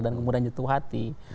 dan kemudian jatuh hati